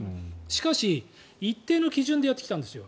しかし、一定の基準でやってきたんですよ。